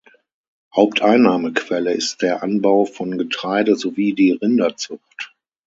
Haupteinnahmequelle ist der Anbau von Getreide sowie die Rinderzucht.